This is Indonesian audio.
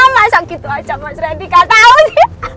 masa gitu aja mas randy gak tau sih